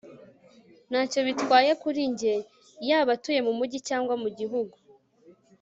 ntacyo bitwaye kuri njye yaba atuye mumujyi cyangwa mugihugu